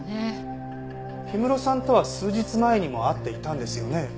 氷室さんとは数日前にも会っていたんですよね？